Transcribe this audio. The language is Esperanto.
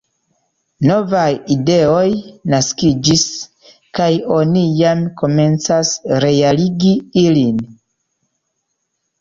Novaj ideoj naskiĝis kaj oni jam komencas realigi ilin.